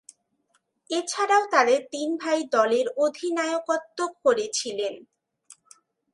এছাড়াও তাদের তিন ভাই দলের অধিনায়কত্ব করেছিলেন।